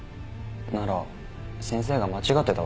なら先生が間違ってたわけですね。